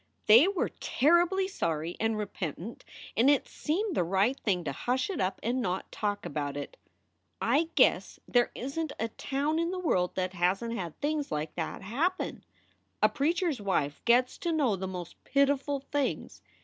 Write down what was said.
They were terribly sorry and repentant and it seemed the right thing to hush it up and not talk about it. "I guess there isn t a town in the world that hasn t had things like that happen. A preacher s wife gets to know the most pitiful things.